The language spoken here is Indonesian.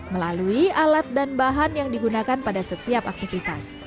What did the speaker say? melalui alat dan bahan yang digunakan pada setiap aktivitas